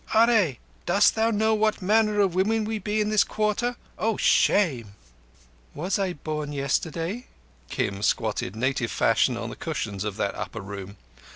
"Arre"! Dost thou know what manner of women we be in this quarter? Oh, shame!" "Was I born yesterday?" Kim squatted native fashion on the cushions of that upper room.